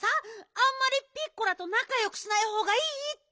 あんまりピッコラとなかよくしないほうがいいって！